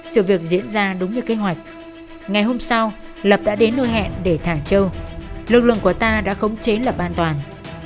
sự việc diễn ra đúng như kế hoạch ngày hôm sau lập đã đến nơi hẹn để thảng châu lực lượng của ta đã không chế lập an toàn